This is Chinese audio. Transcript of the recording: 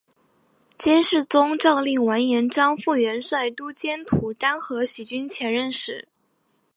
金世宗诏令完颜璋赴元帅都监徒单合喜军前任使。